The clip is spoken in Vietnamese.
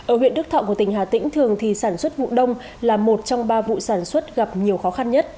ở huyện đức thọ của tỉnh hà tĩnh thường thì sản xuất vụ đông là một trong ba vụ sản xuất gặp nhiều khó khăn nhất